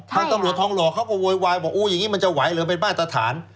ต้องหลวนทองหลอกเขาก็โวยวายอย่างนี้มันจะไหวเหลือเป็นบ้านตรฐาน